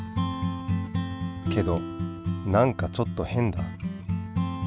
けど何かちょっと変だ。